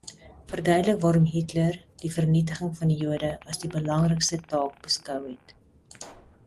Verduidelik waarom Hitler die vernietiging van die Jode as die belangrikste taak beskou het.